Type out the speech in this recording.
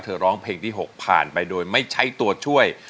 ร้องเพลงที่๖ผ่านไปโดยไม่ใช้ตัวช่วย